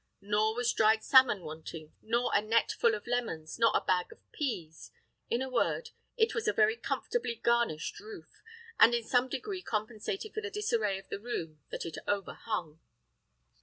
Nor was dried salmon wanting, nor a net full of lemons, nor a bag of peas: in a word, it was a very comfortably garnished roof, and in some degree compensated for the disarray of the room that it overhung.